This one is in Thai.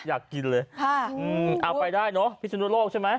อยากกินเลยค่ะเอาไปได้เนอะพิศนุโลกใช่ไหม